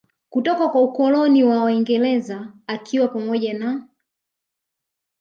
kutoka kwa Ukoloni wa waingereza akiwa pamoja na